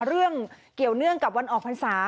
เรื่องเกี่ยวเนื่องกับวันออกภัณฑ์ศาสตร์